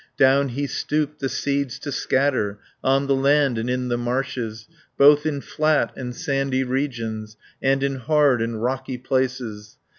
Down he stooped the seeds to scatter, On the land and in the marshes, Both in flat and sandy regions, And in hard and rocky places.